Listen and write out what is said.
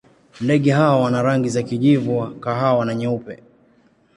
Ndege hawa wana rangi za kijivu, kahawa na nyeupe.